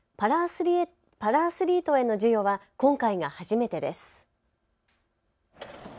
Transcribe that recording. パラアスリートへの授与は今回が初めてです。